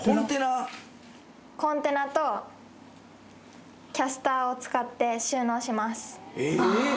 コンテナとキャスターを使って収納します。